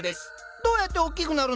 どうやっておっきくなるの？